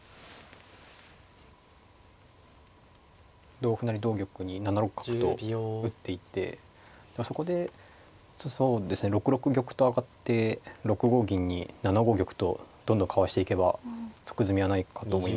同歩成同玉に７六角と打っていってそこで６六玉と上がって６五銀に７五玉とどんどんかわしていけば即詰みはないかと思います。